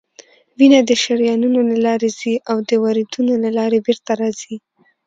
وینه د شریانونو له لارې ځي او د وریدونو له لارې بیرته راځي